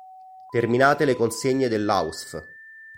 Terminate le consegne dell'Ausf.